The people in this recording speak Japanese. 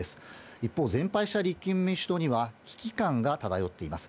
一方、全敗した立憲民主党には、危機感が漂っています。